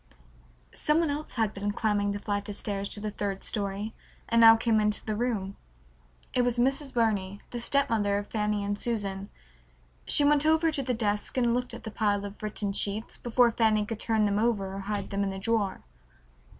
Some one else had been climbing the flight of stairs to the third story, and now came into the room. It was Mrs. Burney, the stepmother of Fanny and Susan. She went over to the desk and looked at the pile of written sheets before Fanny could turn them over or hide them in the drawer.